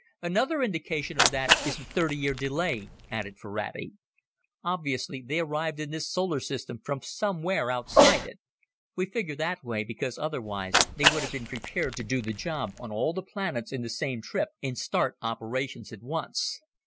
"Another indication of that is the thirty year delay," added Ferrati. "Obviously, they arrived in this solar system from somewhere outside it. We figure that way because otherwise they would have been prepared to do the job on all the planets in the same trip and start operations at once.